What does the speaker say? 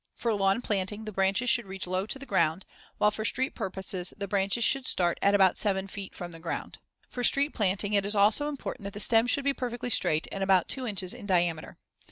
For lawn planting, the branches should reach low to the ground, while for street purposes the branches should start at about seven feet from the ground. For street planting, it is also important that the stem should be perfectly straight and about two inches in diameter.